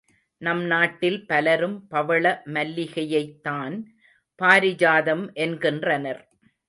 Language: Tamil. நம் நாட்டில் பலரும் பவள மல்லிகையைத்தான் பாரிஜாதம் என்கின்றனர்.